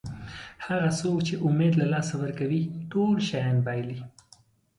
هغه څوک چې امید له لاسه ورکوي ټول شیان بایلي.